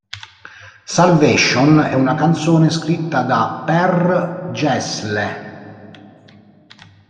Salvation è una canzone scritta da Per Gessle.